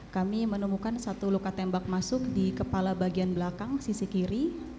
kami menemukan satu luka tembak masuk di kepala bagian belakang sisi kiri